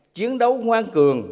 chiến đấu ngoan cường